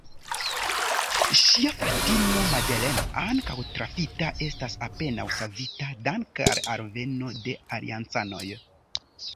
Ŝia fratino Madeleine, ankaŭ trafita, estas apenaŭ savita danke al la alveno de Aliancanoj.